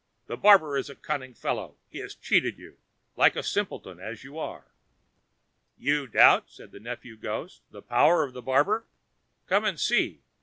The barber is a cunning fellow; he has cheated you, like a simpleton as you are." "You doubt," said the nephew ghost, "the power of the barber! come and see."